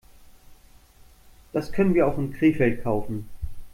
Das können wir auch in Krefeld kaufen